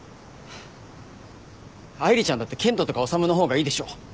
愛梨ちゃんだって健人とか修の方がいいでしょ？